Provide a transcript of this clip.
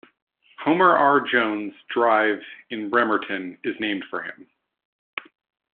Homer R. Jones Drive in Bremerton is named for him.